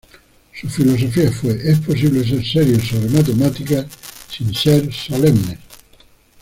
Su filosofía fue "es posible ser serios sobre matemáticas, sin ser solemnes".